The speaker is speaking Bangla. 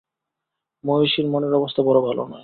মহিষীর মনের অবস্থা বড় ভাল নয়।